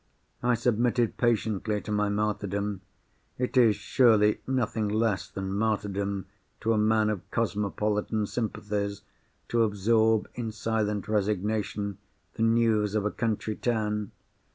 I submitted patiently to my martyrdom (it is surely nothing less than martyrdom to a man of cosmopolitan sympathies, to absorb in silent resignation the news of a country town?)